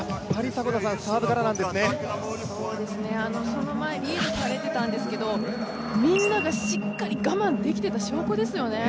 その前、リードされていたんですけど、みんながしっかり我慢できてた証拠ですよね。